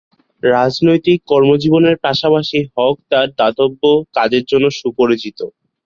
রাজনৈতিক কর্মজীবনের পাশাপাশি হক তার দাতব্য কাজের জন্য সুপরিচিত।